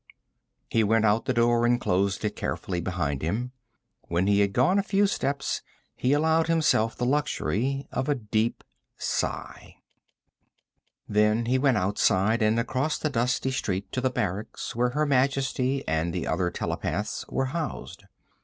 He went out the door and closed it carefully behind him. When he had gone a few steps he allowed himself the luxury of a deep sigh. Then he went outside and across the dusty street to the barracks where Her Majesty and the other telepaths were housed.